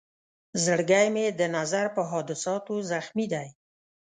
زړګی مې د نظر په حادثاتو زخمي دی.